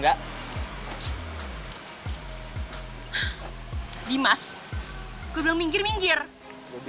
kalo lu pikir segampang itu buat ngindarin gue lu salah din